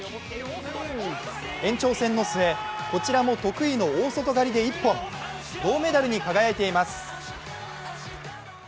延長戦の末、こちらも得意の大外刈りで一本、銅メダルに輝いています。